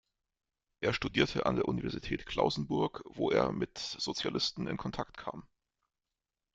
Er studierte an der Universität Klausenburg, wo er mit Sozialisten in Kontakt kam.